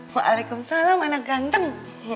waalaikumsalam anak ganteng